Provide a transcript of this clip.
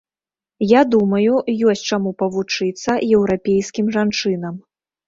Я думаю, ёсць чаму павучыцца еўрапейскім жанчынам.